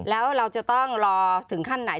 แล้วเราจะต้องรอถึงขั้นไหน